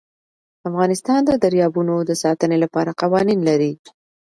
افغانستان د دریابونه د ساتنې لپاره قوانین لري.